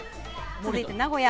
続いて、名古屋。